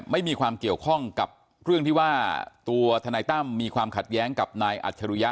ไม่มีความเกี่ยวข้องกับเรื่องที่ว่าตัวทนายตั้มมีความขัดแย้งกับนายอัจฉริยะ